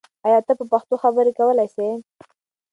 آیا ته په پښتو خبرې کولای سې؟